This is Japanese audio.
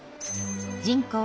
人口